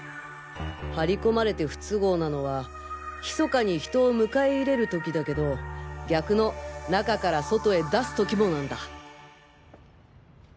張り込まれて不都合なのは密かに人を迎え入れる時だけど逆の中から外へ出す時もなんだ。